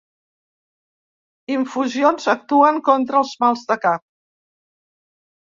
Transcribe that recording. Infusions actuen contra els mals de cap.